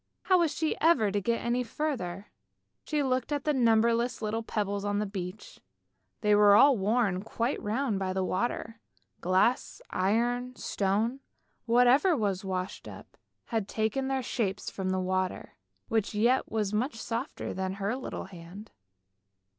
How was she ever to get any further ? She looked at the numberless little pebbles on the beach; they were all worn quite round by the water. Glass, iron, stone, whatever was washed up, had taken their shapes from the water, which yet was much softer than her little hand.